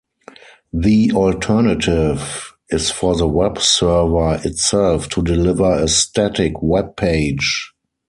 The alternative is for the web server itself to deliver a static web page.